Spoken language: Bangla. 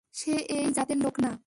সে এই জাতের লোক না।